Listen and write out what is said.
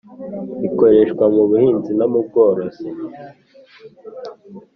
ikoreshwa mu buhinzi no mu bworozi .